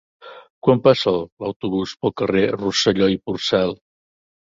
Quan passa l'autobús pel carrer Rosselló i Porcel?